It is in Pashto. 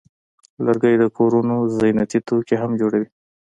لرګی د کورونو زینتي توکي هم جوړوي.